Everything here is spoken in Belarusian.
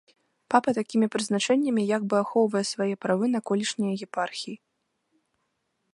Папа такімі прызначэннямі як бы ахоўвае свае правы на колішнія епархіі.